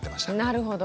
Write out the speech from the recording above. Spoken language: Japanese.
なるほど。